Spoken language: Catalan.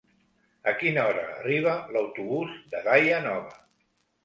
A quina hora arriba l'autobús de Daia Nova?